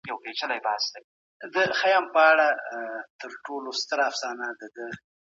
ښځې زموږ خويندې او ميندې دي.